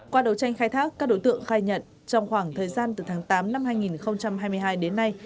qua đấu tranh khai thác các đối tượng khai nhận trong khoảng thời gian từ tháng tám năm hai nghìn hai mươi hai đến nay